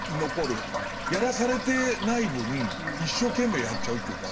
やらされてない分一生懸命やっちゃうっていうか。